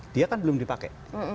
dia kan belum dipakai